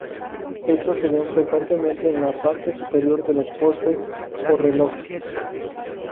Estos se ven frecuentemente en la parte superior de los postes o relojes.